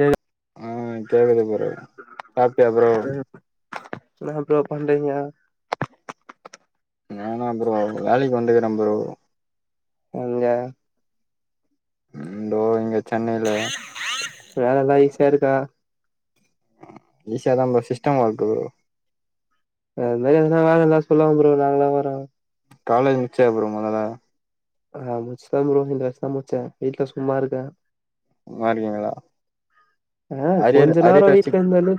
ஏ ஆ கேக்குது ப்ரோ சாப்டியா ப்ரோ சொல்லுங்க ப்ரோ பண்ரிங்க நானா ப்ரோ வேலைக்கு வந்துருக்க ப்ரோ எங்க ம் தோ இங்க சென்னையில வேலல்லா ஈசியா இருக்கா ம் ஈஸியாதா ப்ரோ சிஸ்டம் ஒர்க்கு ப்ரோ அது மாரி எதனா வேலை இருந்தா சொல்லுங்க ப்ரோ நாங்களு வரோ காலேஜ் முச்சியா ப்ரோ மொதல்ல ஆ முச்ச ப்ரோ இந்த வர்ஷ் தா முச்சா வீட்ல சும்மா இருக்க உமாருக்கீங்களா ஆ கொஞ்ச நேரோ வச்சு வீட்ல இருந்தாலே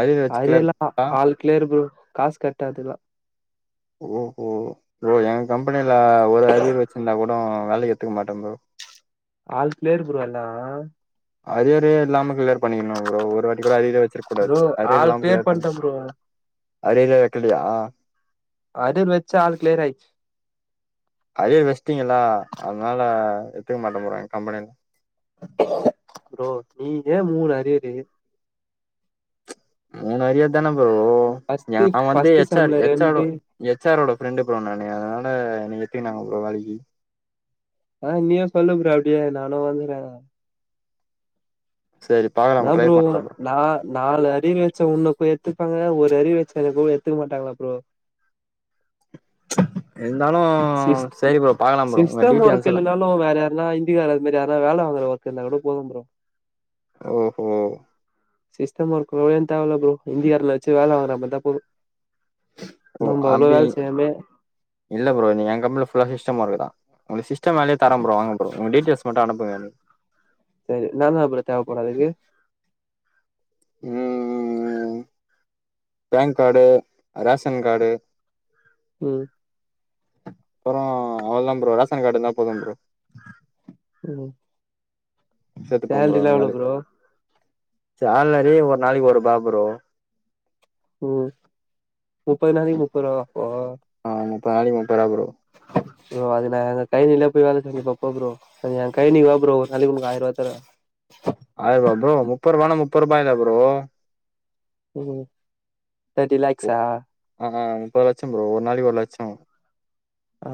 அரியர் வச்சு ஆரே கிளியர் இல்லாப்பா ஆ ஆள் ட்லே இருக்குனு காசு கட்டாதுலா ஓ ஹோ ப்ரோ எ கம்பெனில ஒரு அரியர் வச்சிருந்தா கூட வேலைக்கு எத்துக்க மாட்ட ப்ரோ ஆல் கிளியர் ப்ரோ எல்லா அரியரே இல்லாம கிளியர் பண்ணிக்கணு ப்ரோ ஒரு வாட்டி கூட அரியரே வச்சிரு கூடாது ப்ரோ ஆல் அரியரில்லாம கிளியர் பண் பண்ட்டே ப்ரோ அரியரே வைக்கலயா அது வச்ச ஆள் கிளியர் ஆய்ச்சி அரியர் வெச்சிட்டிங்கள்ளா அதனால எத்துக்க மாட்ட ப்ரோ எ கம்பெனில ப்ரோ நீயே மூணு அரியரு மூணு அரியர் தான ப்ரோ எ ஃபஸ்ட்டு நா வந்து ஃபஸ்ட்டு எச் ஆர் செம்ல எச் ஆர் ரெண்டு எச் ஆரோட ஃப்ரெண்டு ப்ரோ நானு அதனால என்ன எட்த்துக்கினாங்க ப்ரோ வேலைக்கு ஆ நீயு சொல்லு ஃப்ரோ அப்டியே நானு வந்துறே சேரி ஏ ப்ரோ நா நாலு அரியர் வச்ச உன்ன அப்ப எட்த்துப்பாங்க ஒரு ஆரியர் வச்ச என்னலா எட்த்துக்க மாட்டாங்களா ப்ரோ இருந்தாலு சிஸ்த் சேரி ப்ரோ பாக்கலா ப்ரோ உங்க டீடியல்ஸுலா ப்பவு வேற யாருனா இந்திக்கார அது மாரி யாருனா வேல வாங்குற ஒர்க் இருந்த கூட போது ப்ரோ ஓஹோ சிஸ்டம் ஒர்க் கூட எனக்கு தேவ இல்ல ப்ரோ இந்திக்காரன வச்சி வேல வாங்குற மார்ந்தா போது ஓ நம்ப அவ்ளோ அப்டி வேல செய்யாமே இல்ல ப்ரோ நீ எ கம்பெனில ஃபுல்லா சிஸ்டம் ஒர்க்கு தா அந்த சிஸ் ஸ்டம் வேலையே தர ப்ரோ வாங்க ப்ரோ உங்க டீடியல்ஸ் மட்டு அனுப்புங்க எனக் சேரி என்னென்ன அப்ற தேவப்படு அதுக்கு ம் பேன் கார்டு ரேஷன் கார்டு ம் அப்பற அவ்ளதான் ப்ரோ ரேஷன் கார்டு இருந்த போது ப்ரோ ம் சேத்துட்டே ப்ரோ சேலரிலா உங்க எவ்ளோ வேலைக் சாலரி ஒரு நாளைக்கு ஒருபா ப்ரோ ம் முப்பது நாளைக்கு முப்பது ரூவாயா ப்ரோ ஆ முப்பது நாளைக்கு முப்பது ரூவா ப்ரோ ப்ரோ அதுனா டைம்மிங்ளே போய் வேல செஞ்சிருப்பே போ ப்ரோ அ எ கம்பெனிக்கு வா ப்ரோ ஒரு நாளைக்கு உனக்கு ஆயர்ரூவா தரே ஆயர்வா ப்ரோ முப்பது ரூவானா முப்பது ரூபா இல்லயா ப்ரோ ம் தேர்ட்டி லாக்ஸா ஆ ஹா முப்பது லட்ச ப்ரோ ஒரு நாளைக்கு ஒரு லட்ச ஆ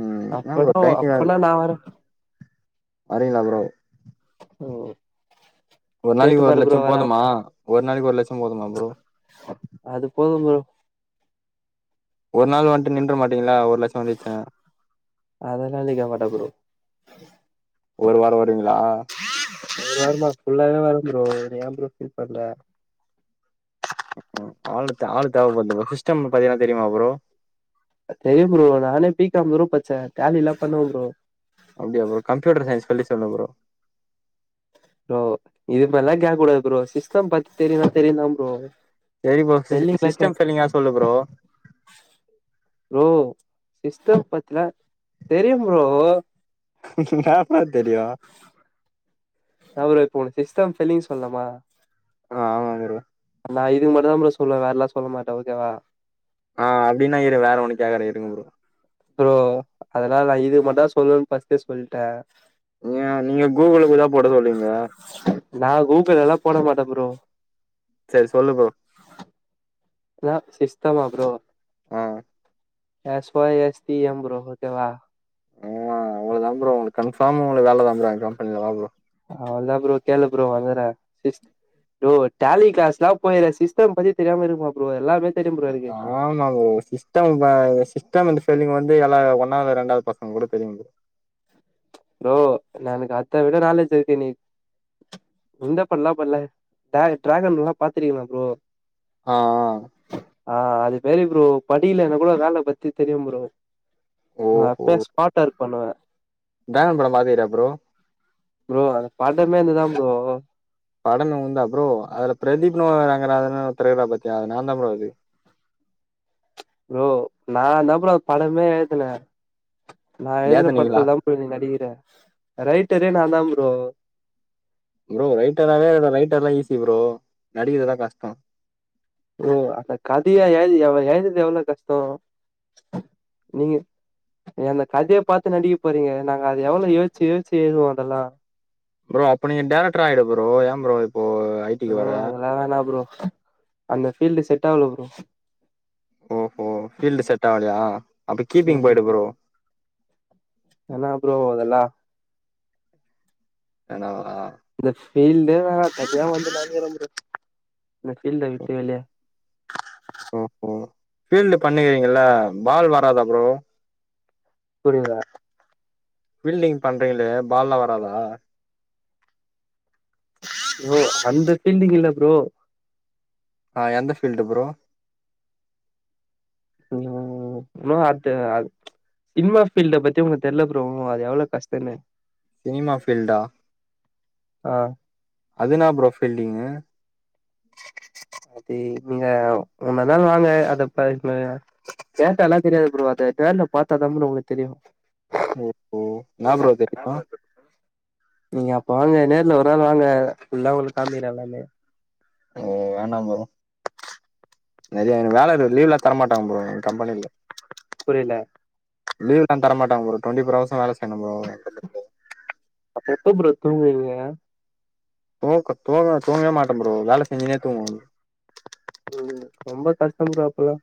ம் என்ன ப்ரோ அப்பனா தனித்தனியாவு அப்பனா இருக் நா வரே அப்டிங்ளா ப்ரோ ஓ ஒரு நாளைக்கு ஒரு லட்ச போதுமா ஒரு நாளைக்கு ஒரு லட்ச போதுமா ப்ரோ அது போது ப்ரோ ஒரு நாள் வந்ட்டு நின்ற மாட்டீங்ள ஒரு லட்ச அதெல்லா நிக்க மாட்டே ப்ரோ ஒரு வார வருவீங்ளா ஒரு வாரமா ஃபுல்லாவே வரே ப்ரோ ஏ ப்ரோ ஃபீல் பண்ற ம் ஆளுத் ஆளு தேவப்படுது ப்ரோ சிஸ்டம் பாத்தினா தெரியுமா ப்ரோ தெரியு ப்ரோ நானே பீ காம் குரூப் படிச்சே டேலி எல்லா பண்ணுவே ப்ரோ அப்டியா ப்ரோ கம்ப்யூட்டர் சைன்ஸ்க்கு ஸ்பெல்லிங் சொல்லு ப்ரோ ப்ரோ இது மாரிலா கேக்க கூடாது ப்ரோ சிஸ்டம் பத்தி தெரியுனா தெரியு தா ப்ரோ சேரி ப்ரோ சிஸ் ஸ்பெல்லிங்லா சிஸ்டம் கேக் ஸ்பெல்லிங்காது சொல்லு ப்ரோ ப்ரோ சிஸ்டம் பத்திலா தெரியு ப்ரோ இன்னாப்பா தெரியு என்ன ப்ரோ இப்போ ஒனக்கு சிஸ்டம் ஃபெல்லிங் சொல்னுமா அ ஆமா ப்ரோ நா இது மட்டு தா ப்ரோ சொல்லுவே வேறலா சொல்ல மாட்டே ஓகேவா ஆ அப்டினா இரு வேற ஒன்னு கேக்குறே இருங்க ப்ரோ ப்ரோ அதலா இல்ல நா இது மட்டு தா சொல்லுவேணு ஃபஸ்ட்டே சொல்ட்டே ஏ நீங்க கூகுலுள போயிதா போட சொல்வீங்களா நா கூகுள்ல்லா போட மாட்டே ப்ரோ சரி சொல்லு ப்ரோ என்னா சிஸ்டமா ப்ரோ ஆ X Y X T M bro okay வா உங்களதா ப்ரோ கன்ஃபார்ம் உங்க வேல வாங்குறோ கம்பெனில வா ப்ரோ அவ்வளதா ப்ரோ கேளு ப்ரோ வந்தறே சிஸ் ப்ரோ டேலி க்ளாஸ்லா போயிருக்கே சிஸ்டம் பத்தி தெரியாம இருக்குமா ப்ரோ எல்லாமே தெரியு ஃப்ரோ எனக்கு ஆமா ஃப்ரோ சிஸ்டம் பா சிஸ்டம் ஸ்பெல்லிங் வந்து எல்லா ஒன்னாவது ரெண்டாவது பசங்களுக்கு கூட தெரியும் ப்ரோ ப்ரோ எனக்கு அத்தவிட நாலேஜ் இருக்கு நீ இந்த படலா படல டிராகன்ல்லா பாத்துருங்கீங்களா ப்ரோ ஆ ஆ அது சேரி ப்ரோ படிகலனா கூட வேலய பத்தி தெரியு ப்ரோ அப்ப ஓஹோ ஸ்பாட் ஒர்க் பண்ணுவே ட்ராகன் படோ பாத்துருக்கியா ப்ரோ ப்ரோ அது படமே என்துதா ப்ரோ படமே உன்தா ப்ரோ அதுல பிரதீப்புனு ஒரு ரங்கநாதனு ஒருத்தரு இருக்காரு பாத்தியா நா தா ப்ரோ அது ப்ரோ நாந்தா ப்ரோ அது படமே எழுதுனே நா எழுதுன ஏத்துனீங்களா படத்துல தா ப் நீ நடிக்கிற ரைட்டரே நாந்தா ப்ரோ ப்ரோ ரைட்டராவே ரைட்டர்லா ஈஸி ப்ரோ நடிக்கிறதுதா கஷ்டோ ப்ரோ கதையா ஏது எதுரது எவ்ளோ கஷ்டோ நீங்க நீங்க அந்த கதையை பாத்து நடிக்க போரிங்க நாங்க அது எவ்வளோ யோஸ்ச்சி யோஸ்ச்சி எதுவோ அதெல்லா ப்ரோ அப்போ நீங்க டைரக்டர் ஆயிடு ப்ரோ ஏ ப்ரோ இப்போ ஐ டிக்கு ப்ரோ வர அதெல்லா வேணா ப்ரோ அந்த பீல்டு செட் ஆவல ப்ரோ ஓஹோ பீல்டு செட் ஆவலயா அப்ப கீப்பிங் ம் போயிடு ப்ரோ வேணா ப்ரோ அதெல்லா வேணாவா இந்த ஃபீல்டே வேணா [unintelligible] வந்து இந்த பீல்ட விட்டு வெளிய ஓஹோ ஃபீல்டு பண்ணிக்கிறீங்கள பால் வராதா ப்ரோ புரிதா ஃபீல்டிங் பண்றீங்களே பால்லா வராதா ஓ அந்த ஃபீல்டிங் இல்ல ப்ரோ ஆ எந்த ஃபீல்டு ப்ரோ ம் நோ அத்து ஆ சினிமா ஃபீல்ட பத்தி உங்க தெர்ல ப்ரோ அது எவ்ளோ கஷ்டோன்னு சினிமா ஃபீல்டா ஆ என்னா ப்ரோ ஃபீல்டிங்கு அது நீங்க உனொ நாள் வாங்க அதப் பேசுனது டேட்டல்லா தெரியாது ப்ரோ அத நேர்ல பாத்தாதா ப்ரோ ஒங்களுக்கு தெரியு ஓஹோ ன்னா ப்ரோ தெரியனு நீங்க அப்ப வாங்க நேர்ல ஒரு நாள் வாங்க ஃபுல்லா உங்ளுக்கு காமிகிர எல்லாமே ஓ வேணா ப்ரோ நெறய வேல இருகுது லீவ்லா தர மாட்டாங்க ப்ரோ எங் கம்பெனில புரீல லீவ்ல்லா தர மாட்டங்க ப்ரோ டொன்டி ஃபோர் அவர்ஸ்சு வேல செய்யனு ப்ரோ அப்ப எப்போ ப்ரோ தூங்குவீங்க தூக்க தோங்க தூங்கவே மாட்டே ப்ரோ வேல செஞ்சினே தூங்குவே உம் ரொம்ப கஷ்டம் ப்ரோ அப்பல்லாம்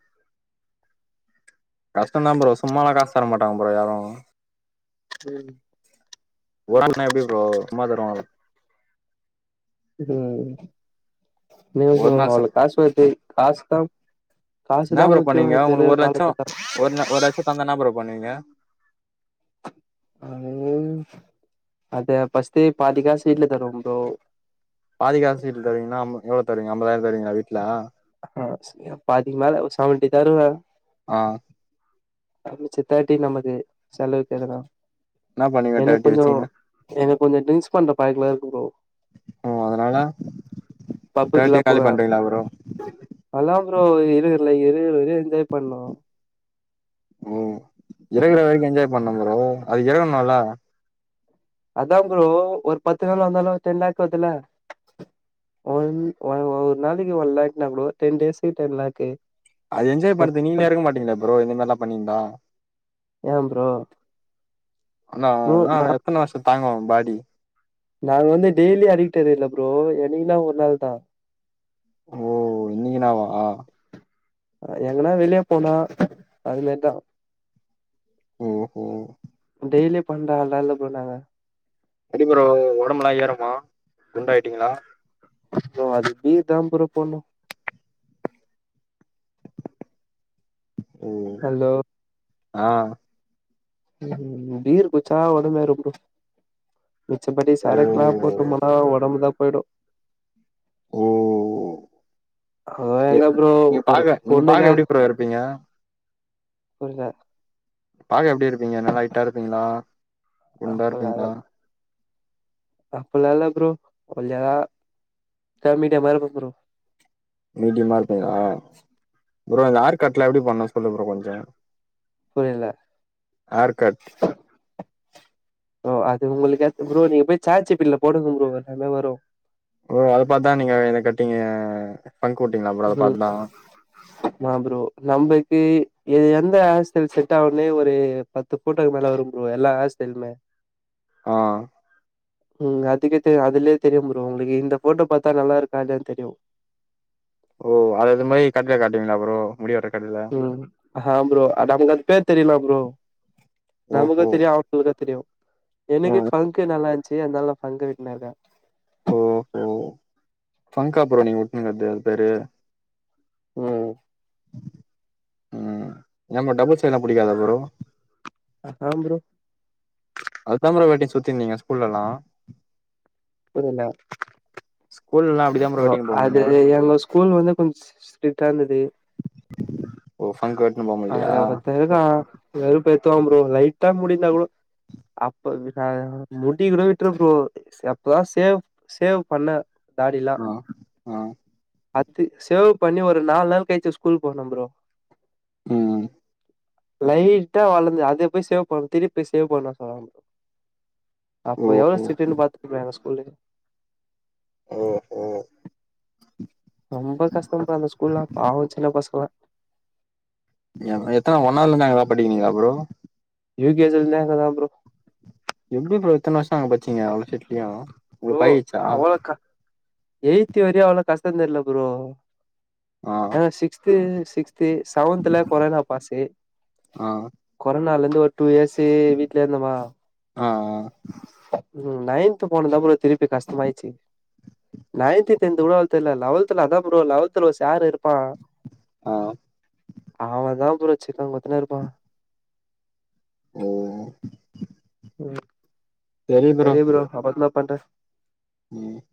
கஷ்ட்ந் தான் ப்ரோ சும்மால்லாம் காசு தர மாட்டங்க ப்ரோ யாரும் ம் ஒறங்குனா எப்டி ப்ரோ சும்மா தருவாங்களா ம் ம் ம் ஒரு ம் நாள் அதுல சம் காஸ் ஓகே காஸ் தான் காசுதான் முக்கியொ இப்ப இருக்க காலக்கட்ட ஒருன ஒரு லட்சோ தந்தான்னா ப்ரோ பன்னுவீங்க அ அது ஃபஸ்டு பாதி காசு வீட்ல தருவே ப்ரோ பாதி காசு வீட்ல தருவீங்களா அம் எவ்ளோ தருவீங்க அம்பதாயிரம் தருவீங்களா வீட்ல அக்கா சையா பாதிக்கு மேல செவண்ட்டி தருவே ஆ அ மிச்சத் தட்டி நமக்கு செலவுக்கு எதுனா என்ன பண்ணுவீங்க எனக்கு தேர்ட்டி கொஞ்சோ வச்சீங்கன்னா எனக்கு கொஞ்சோ ட்ரிங்க்ஸ் பன்ற பழக்கோலா இருக்கு ப்ரோ ஓ அதனால தேட்டிய காலி பன்ருவீங்களா ப்ரோ அல்லா ப்ரோ இருக்குறல இருகுற வர என்ஜாய் பண்ணோம் ஓ இருக்குற வரைக்கு என்ஜாய் பண்ணோ ப்ரோ அதுகு இருக்கனும்ல அதான் ப்ரோ ஒரு பத்து நாள் வந்தாலும் டென் லக் வருதுல ஒன் ஒரு நாளைக்கு ஒன் லக்னா ப்ரோ டென் டேஸ்க்கு டென் லக்கு அது என்ஜாய் பண்றதுக்கு நீங்களே இருக்க மாட்டீங்களே ப்ரோ இந்த மாதிரிலா பண்ணியிந்தா ஏன் ப்ரோ ப்ரோ ஆனானா நா எத்தன வர்ஷோ தாங்கும் பாடி நாங்க வந்து டெய்லி அடிக்ட்டடு இல்ல ப்ரோ என்னைக்குனா ஒரு நாள் தா ஓ என்னகினாவா எங்கன்னா வெளியே போனா அதுமேரிதா ஓஹோ டெய்லி பண்ற ஆளுலா இல்ல ப்ரோ நாங்க அடி ப்ரோ ஒடம்பலாம் ஏறுமா குண்டாயிட்டீங்களா ப்ரோ அது பீர் தான் ப்ரோ போட்ணு ஓ ஹலோ ஆ உம் பீர் குடிச்சா ஒடம்பு ஏறும் ப்ரோ மிச்சபடி ஓ சரக்கல்லாம் போட்டு போனா ஒடம்புதான் போயிடும் ஓ அ எ எங்க ப்ரோ நீங்க ஒரு பாக்க நீங்க பாக்க பொண்ணுக்காக எப்டி ப்ரோ இருப்பீங்க ஒருத பாக்க எப்டி இருப்பீங்க ந்லலா ஹைட்டா இருப்பீங்ளா குண்டா இருப்பீங்ளா அப்டிலாம் இல்ல ப்ரோ ஒல்லியா த மீடியமா இருப்ப ப்ரோ மீடியமா இருப்பீங்ளா ப்ரோ இந்த ஆர்கட்லா எப்டி பண்ணும் சொல்லு ப்ரோ கொஞ்சம் புரியல ஹேர் கட் ஓ அது உங்களுக்க ஏத்த ப்ரோ நீங்க போய் சாட் ஜீ பீ டி ல போடுங்க ப்ரோ எல்லாமே வரும் ஓ அது பாத்தான் நீங்க என்ன கட்டிங்க பங்க் வுட்டீங்களா ப்ரோ அத பாத்துதான் என்ன ப்ரோ நம்மளுக்கு இது எந்த ஹார் ஸ்டைல்லு செட் ஆகுனே ஒரு பத் து பூட்டக்கு மேல வரும் ப்ரோ எல்ல ஹார்ஸ்டைலுமே ஆ ம் அதுக்கே தெ அதுலயே தெரியும் ப்ரோ உங்களுக்கு இந்த போட்டோ பாத்தா நல்லா இருக்கா இல்லயானு தெரியும் ஓ அது மாரி கடைல காட்டுவீங்ளா ப்ரோ முடி வெட்ர கடைல ம் அஹ ப்ரோ அது அவுங் [unintelligible] தெரிமா ப்ரோ நமக்கு ஓஹோ தெரியு அவுங்களுக்கு தெரியு எனக்கு ம் ஃபங்கு நல்லா இருந்ச்சு அதனால ஃபங்க் வெட்டினு இருக்கே ஓஹோ ஃபங்கா ப்ரோ நீங்க வெட்டுனது அது பேரு ம் ம் நம்ம டபுள் ஸ்டெய்லா பிடிக்காதா ப்ரோ ஹஹா ப்ரோ அது தா ப்ரோ‌ வெட்டினு சுத்திருந்தீங்க ஸ்கூல்லலா புரில ஸ்கூல்லலா அப்டிதா ப்ரோ வெட்டினு அது போவீங்க எங்க ஸ்கூல் வந்து கொஞ்ச் ஸ் ஸ் ஸ்ரிட்டா இருந்தது ஓ ஃபங்க் வெட்டுனுமோ அதுல ஒருத்தே இருக்கா வெறுப்பேத்துவா ப்ரோ லைட்டா முடி இருந்தா கூடோ அப்ப வி ஹ முடி கூட விட்ரு ப்ரோ ச அப்பதா சேவ் சேவ் பண்ணே தாடி லா ஆ ஆ அத்து சேவ் பண்ணி ஒரு நால் நாள் கழிச்சு ஸ்கூலுக்கு போனே ப்ரோ ம் லைட்டா வளர்து அத போய் சேவ் பண்ணு திருப்பி போய் சேவ் பண்ண சொன்னா ப்ரோ அப்போ எவ்ளோ ஓஹோ ஸ்டிக்டு பாத்துகங்க எங்க ஸ்கூல்லு. ஓ கோ ரொம்ப கஷ்டம் பா அந்த ஸ்கூல்லா, பாவோ சின்ன பசங்களா யா அங்க எத்தன ஒன்னாவதுல இருந்து அங்க தான் படிக்கிறீங்களா ப்ரோ யூ கே ஜி ல இருந்தே, அங்க தா ப்ரோ. எப்டி ப்ரோ இத்தன வருஷோ அங்க படிச்சீங்க அவ்ளோ ஸ்ட்ரீட்லயு உங்களுக்கு பழகிருச்சா யெய்த்வரியு அவ்ளோ கஷ்ட தெர்ல ப்ரோ. ஆ ஆனா சிக்ஸ்து, சிக்ஸ்து, செவன்துல கொரோனா பாசு. ஆ கொரோனால இருந்து ஒரு டூ இயர்ஸ்சு, வீட்ல இருந்தம்மா. ஆ ஆ ம் நைன்த் போனது தா ப்ரோ திருப்பி கஷ்டமாயிருச்சு. நைன்த், டென்த்து கூட அவ்ளோ தெர்ல, லெவல்து ல அதா ப்ரோ லெவல்து ல ஒரு சாரு இருப்பா. ஆ அவ தா ப்ரோ சிக்கன் குத்துன்னே இருப்பா. ஓ ம் செரி ப்ரோ, அப்பறமா பண்றே. ம்